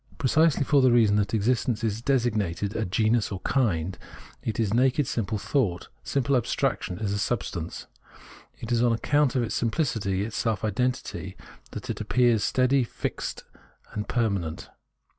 Precisely for the reason that existence is designated a genus or kind, it is a naked simple thought ; vovi;, simple abstraction, is substance. It is on account of its simphcity, its self identity, that it appears steady, fixed, and permanent.